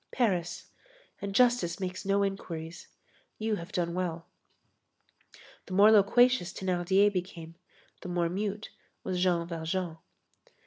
Paris. And justice makes no inquiries. You have done well." The more loquacious Thénardier became, the more mute was Jean Valjean.